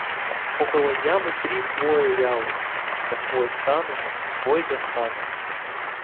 Около ямы три хвоя вялы: на хвой стану, хвой достану.